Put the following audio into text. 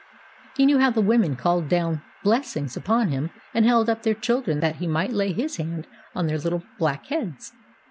He knew how the women called down blessings upon him and held up their children that he might lay his hand on their little black heads.